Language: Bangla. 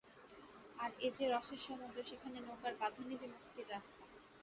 আর এ যে রসের সমুদ্র, এখানে নৌকার বাঁধনই যে মুক্তির রাস্তা।